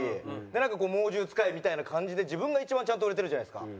なんかこう猛獣使いみたいな感じで自分が一番ちゃんと売れてるじゃないですか。